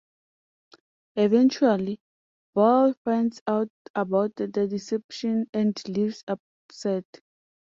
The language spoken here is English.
Eventually Boyle finds out about the deception and leaves upset.